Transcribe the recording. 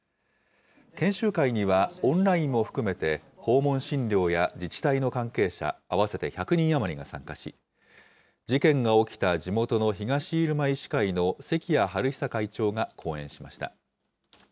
研修会には、オンラインも含めて訪問診療や自治体の関係者、合わせて１００人余りが参加し、事件が起きた地元の東入間医師会の関谷治久会長が講演しました。